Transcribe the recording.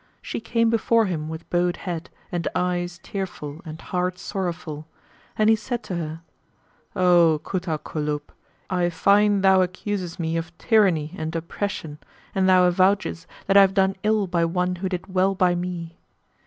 She came before him with bowed head and eyes tearful and heart sorrowful; and he said to her, "O Kut al Kulub, I find thou accuses me of tyranny and oppression, and thou avouchest that I have done ill by one who did well by me.